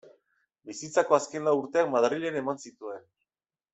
Bizitzako azken lau urteak Madrilen eman zituen.